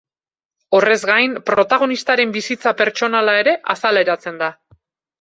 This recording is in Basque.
Horrez gain, protagonistaren bizitza pertsonala ere azaleratzen da.